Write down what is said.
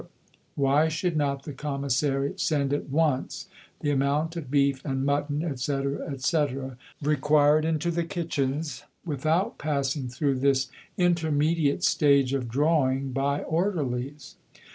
Why should not the Commissariat send at once the amount of beef and mutton, etc., etc., required into the kitchens, without passing through this intermediate stage of drawing by Orderlies?